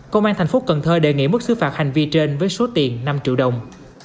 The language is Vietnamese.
công an thành phố cần thơ đề nghị mức xứ phạt hành vi trên với số tiền năm triệu đồng